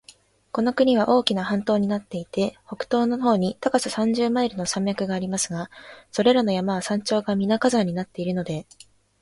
この国は大きな半島になっていて、北東の方に高さ三十マイルの山脈がありますが、それらの山は頂上がみな火山になっているので、